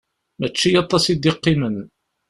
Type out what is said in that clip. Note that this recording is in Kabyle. Mačči aṭas i d-iqqimen.